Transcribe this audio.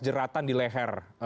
jeratan di leher dari almarhumnya